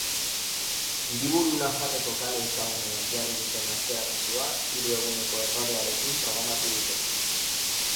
Hiriburu nafarreko kale ezagunean jarri duten atzera kontua hiru eguneko errorearekin programatu dute.